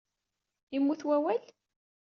Immut wawal?